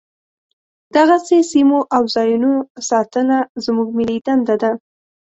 دغسې سیمو او ځاینونو ساتنه زموږ ملي دنده ده.